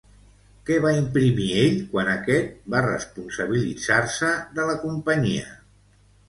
Què va imprimir ell quan aquest va responsabilitzar-se de la companyia?